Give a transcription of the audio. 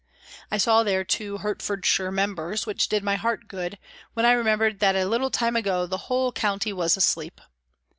I saw there two Hertfordshire members, which did my heart good, when I remembered that a little time ago the whole county was asleep.